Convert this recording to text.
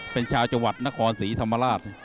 เป็นชาวจังหวัดนครศรีธรรมราช